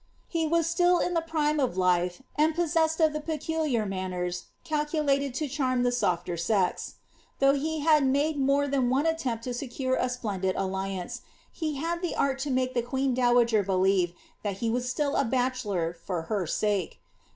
^' was still in the prime of life, and possessed of the peculiar manners ulated to charm the sof^r sex. Though he had made more than attempt to secure a splendid alliance, he had the art to make the sn do wager believe that he was still a bachelor for her sake.